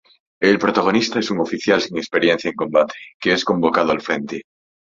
El protagonista es un oficial sin experiencia en combate, que es convocado al frente.